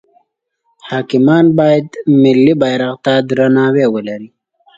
حاکمان باید ملی بیرغ ته درناوی ولری.